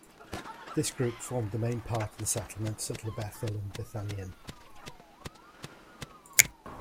This group formed the main part of the settlements at Lobethal and Bethanien.